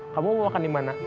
kamu mau makan dimana